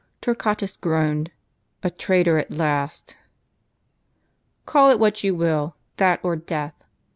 Torquatus groaned, "A traitor at last! " "Call it what you will; that or death!